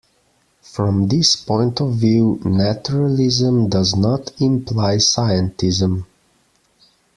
From this point of view, naturalism does not imply scientism.